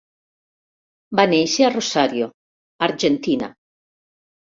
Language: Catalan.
Va néixer a Rosario, Argentina.